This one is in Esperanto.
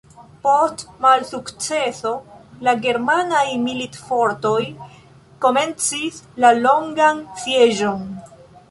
Post malsukceso la germanaj militfortoj komencis la longan sieĝon.